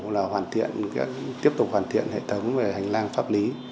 là hoàn thiện tiếp tục hoàn thiện hệ thống về hành lang pháp lý